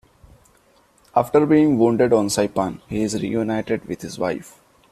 After being wounded on Saipan he is reunited with his wife.